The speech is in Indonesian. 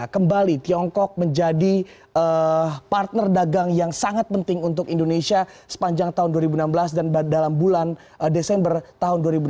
kembali tiongkok menjadi partner dagang yang sangat penting untuk indonesia sepanjang tahun dua ribu enam belas dan dalam bulan desember tahun dua ribu delapan belas